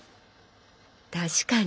確かに。